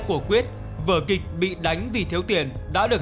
của quyết vở kịch bị đánh vì thiếu tiền đã được